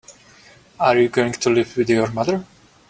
Are you going to live with your mother?